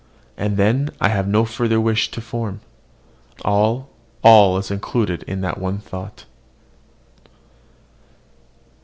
And then I have no further wish to form: all, all is included in that one thought.